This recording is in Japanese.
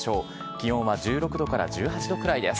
気温は１６度から１８度くらいです。